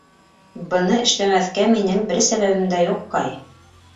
Быны эшләмәҫкә минең бер сәбәбем дә юҡ, Кай.